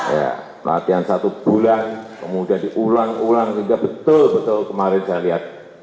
ya latihan satu bulan kemudian diulang ulang hingga betul betul kemarin saya lihat